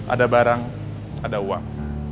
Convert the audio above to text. ada barang ada uang